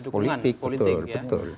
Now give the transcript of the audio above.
dukungan politik politik ya betul